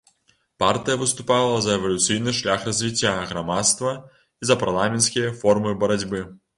Партыя выступала за эвалюцыйны шлях развіцця грамадства і за парламенцкія формы барацьбы.